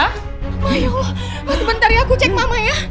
ayo sebentar ya aku cek mama ya